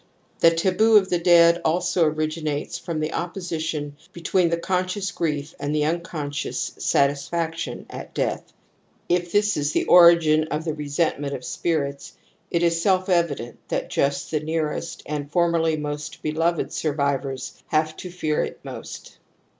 The taboo of the dead also originates from the l^iPDQsition between the consciouiif gri<^ f ^r\^ t^b<^ I unconscious satisfaction at death. If this is the ^^iSToFtETresent of spiritTit is self evi dent that just the nearest and formerly most beloved survivors have to fear it most.